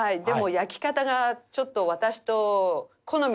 焼き方がちょっと私と好みが違って。